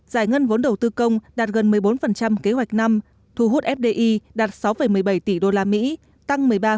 giải ngân vốn đầu tư công đạt gần một mươi bốn kế hoạch năm thu hút fdi đạt sáu một mươi bảy